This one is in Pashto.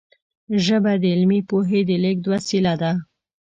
ژبه د علمي پوهې د لېږد وسیله وه.